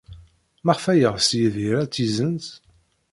Maɣef ay yeɣs Yidir ad tt-yessenz?